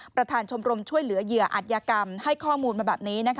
ประธานชมรมช่วยเหลือเหยื่ออัตยกรรมให้ข้อมูลมาแบบนี้